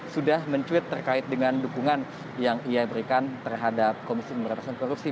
sudah mencuit terkait dengan dukungan yang ia berikan terhadap komisi pemberantasan korupsi